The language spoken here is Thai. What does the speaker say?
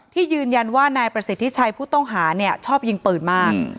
ยืนยันว่านายประสิทธิชัยผู้ต้องหาชอบยิงปืนมาก